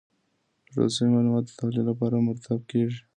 راټول سوي معلومات د تحلیل لپاره مرتب کیږي.